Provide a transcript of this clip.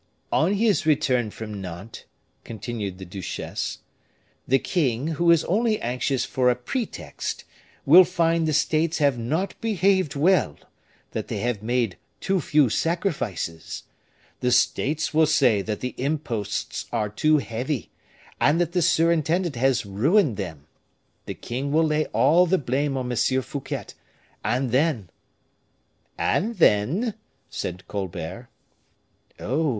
"On his return from Nantes," continued the duchesse, "the king, who is only anxious for a pretext, will find that the States have not behaved well that they have made too few sacrifices. The States will say that the imposts are too heavy, and that the surintendant has ruined them. The king will lay all the blame on M. Fouquet, and then " "And then?" said Colbert. "Oh!